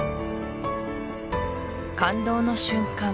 感動の瞬間